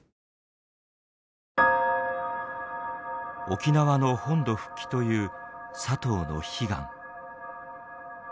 沖縄の本土復帰という佐藤の悲願。